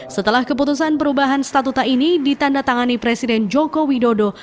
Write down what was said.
setelah keputusan perubahan statuta ini ditanda tangani presiden joko widodo